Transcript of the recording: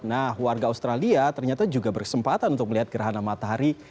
nah warga australia ternyata juga berkesempatan untuk melihat gerhana matahari